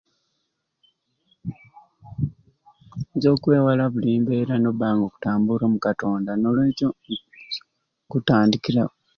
Oyinza okwewala buli mbeera n'obba ng'okutambuura mu katonda n'olwekyo okutandikira...